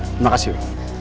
terima kasih bu